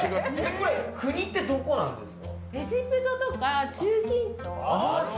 国ってどこなんですか。